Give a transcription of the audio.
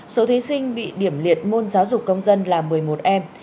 số thí sinh bị điểm liệt môn giáo dục công dân là một mươi một em